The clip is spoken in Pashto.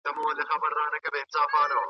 ټوټې ټوتې ښه یې ګرېوانه پر ما ښه لګیږي .